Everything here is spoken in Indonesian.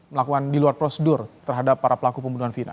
melakukan di luar prosedur terhadap para pelaku pembunuhan vina